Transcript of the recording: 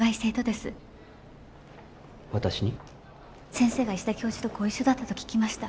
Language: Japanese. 先生が石田教授とご一緒だったと聞きました。